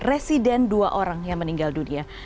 residen dua orang yang meninggal dunia